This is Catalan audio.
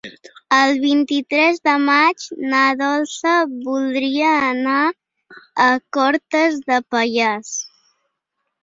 El vint-i-tres de maig na Dolça voldria anar a Cortes de Pallars.